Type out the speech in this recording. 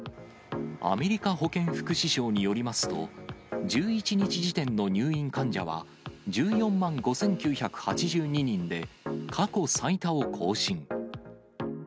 アメリカ保健福祉省によりますと、１１日時点の入院患者は１４万５９８２人で、過去最多を更新。